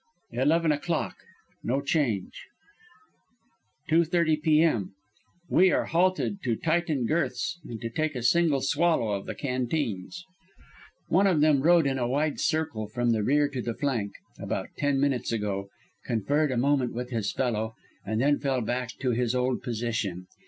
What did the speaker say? "Eleven o'clock. No change. "Two thirty P. M. We are halted to tighten girths and to take a single swallow of the canteens. One of them rode in a wide circle from the rear to the flank, about ten minutes ago, conferred a moment with his fellow, then fell back to his old position.